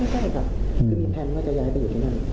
ใช่ครับคือมีแพลนว่าจะย้ายไปอยู่ที่นั่น